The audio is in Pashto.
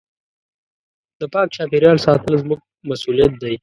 د پاک چاپېریال ساتل زموږ مسؤلیت دی.